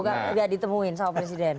agar ditemuin sama presiden